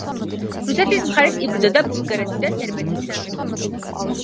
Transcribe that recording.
რუსეთის მხარეს იბრძოდა ბულგარეთი და სერბეთის სამეფო.